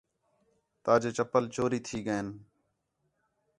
تاجے چپل چوری تھی ڳئین